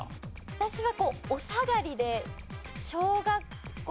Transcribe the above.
私はお下がりで。